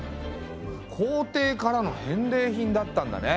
皇帝からの返礼品だったんだね。